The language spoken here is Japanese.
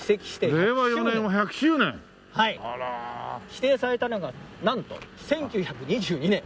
指定されたのがなんと１９２２年。